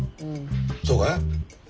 そうかい？